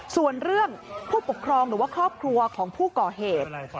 ส่วนเรื่องผู้ปกครองหรือว่าครอบครัวของผู้ก่อเหตุ